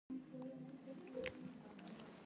یوټوبر دې له خلکو ګټه مه کوي.